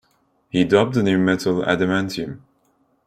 He dubbed the new metal adamantium.